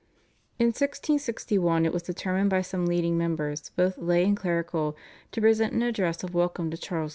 In 1661 it was determined by some leading members, both lay and clerical, to present an address of welcome to Charles II.